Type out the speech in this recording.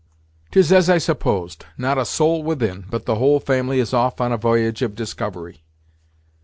'Tis as I supposed; not a soul within, but the whole family is off on a v'y'ge of discovery!"